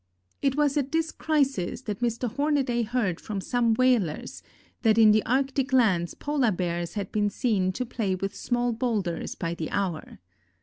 It was at this crisis that Mr. Hornaday heard from some whalers that in the arctic lands Polar Bears had been seen to play with small boulders by the hour.